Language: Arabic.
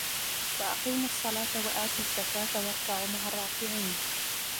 وَأَقِيمُوا الصَّلَاةَ وَآتُوا الزَّكَاةَ وَارْكَعُوا مَعَ الرَّاكِعِينَ